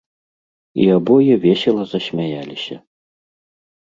І абое весела засмяяліся.